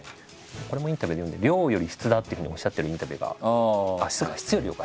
これもインタビューで見て「量より質だ」っていうふうにおっしゃってるインタビューがあっそうか「質より量」か。